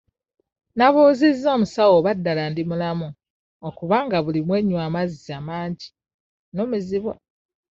Nabuuzizza omusaawo oba ddala ndi mulamu okubanga buli lwe nnywa amazzi amangi numizibwa?